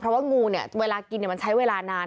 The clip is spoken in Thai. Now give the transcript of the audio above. เพราะว่างูเนี่ยเวลากินมันใช้เวลานาน